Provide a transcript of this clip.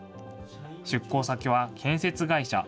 出向先は建設会社。